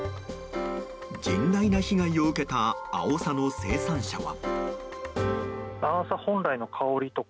甚大な被害を受けたアオサの生産者は。